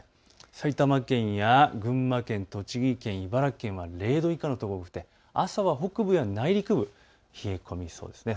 埼玉県や群馬県、栃木県、茨城県は０度以下の所が多くて朝は北部や内陸部、冷え込みそうです。